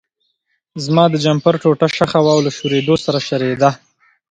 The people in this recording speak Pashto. زما د جمپر ټوټه شخه وه او له شورېدو سره شریده.